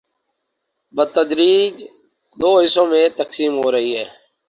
، بتدریج دو حصوں میں تقسیم ہورہی ہی۔